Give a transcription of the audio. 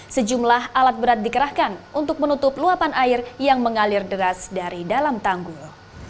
sejumlah alat berat dikerahkan untuk menutup luapan air yang mengalir deras dari dalam tanggul